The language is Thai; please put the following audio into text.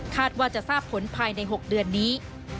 ว่าจะทราบผลภายใน๖เดือนนี้